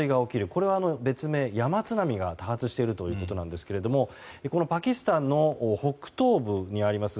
これは別名、山津波が多発しているということですがパキスタンの北東部にあります